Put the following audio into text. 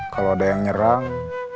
kalo ada yang nyerang